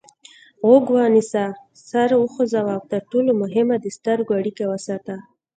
غوږ ونیسه سر وخوځوه او تر ټولو مهمه د سترګو اړیکه وساته.